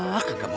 gak mau kerja